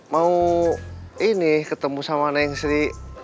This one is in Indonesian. mau ini ketemu sama neng sri